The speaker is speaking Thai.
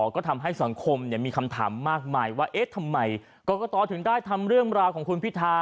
ก็ทำให้สังคมมีคำถามมากมายว่าเอ๊ะทำไมกรกตถึงได้ทำเรื่องราวของคุณพิธา